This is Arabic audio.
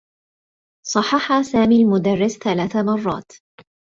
صحّح سامي المدرّس ثلاث مرّات.